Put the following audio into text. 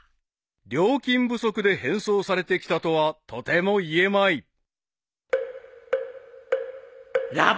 ［料金不足で返送されてきたとはとても言えまい］